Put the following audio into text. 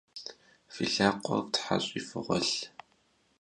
Фи лъакъуэр фтхьэщӏи фыгъуэлъ!